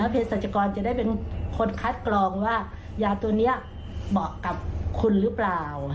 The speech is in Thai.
เพศรัชกรจะได้เป็นคนคัดกรองว่ายาตัวนี้เหมาะกับคุณหรือเปล่า